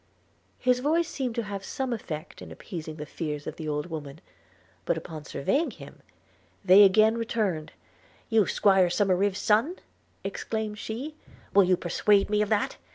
His voice seemed to have some effect in appeasing the fears of the old woman; but upon surveying him, they again returned – 'You 'squire Somerive's son!' exclaimed she – 'Will you persuade me of that?